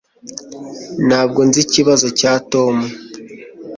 Ntabwo nzi ikibazo cya Toma.